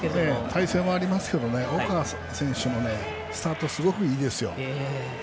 体勢もありますけど岡選手のスタートもすごくいいですよ。